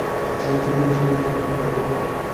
আমাদের সঙ্গে মিশ খাইবে, এমন পাত্রী পাইব কোথায়?